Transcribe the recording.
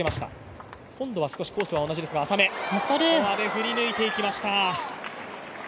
振り抜いていきました。